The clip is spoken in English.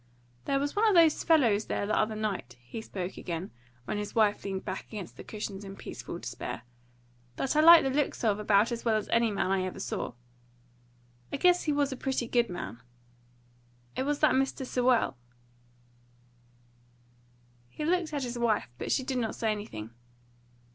"There was one of those fellows there the other night," he spoke again, when his wife leaned back against the cushions in peaceful despair, "that I liked the looks of about as well as any man I ever saw. I guess he was a pretty good man. It was that Mr. Sewell." He looked at his wife, but she did not say anything.